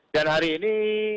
dan hari ini